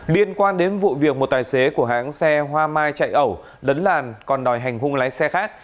liên quan đến vụ việc một tài xế của hãng xe hoa mai chạy ẩu lấn làn còn đòi hành hung lái xe khác